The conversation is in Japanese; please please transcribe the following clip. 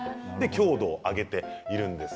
強度を上げているんです。